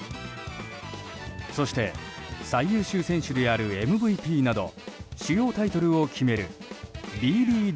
そして、最優秀選手であるＭＶＰなど主要タイトルを決める